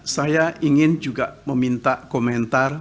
saya ingin juga meminta komentar